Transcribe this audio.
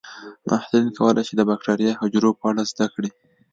محصلین کولی شي د بکټریايي حجرو په اړه زده کړي.